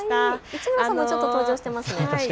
市村さんもちょっと登場してますね。